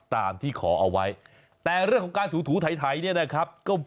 ตามที่ขอเอาไว้แต่เรื่องของการถูถูไถเนี่ยนะครับก็